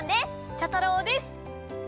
茶太郎です！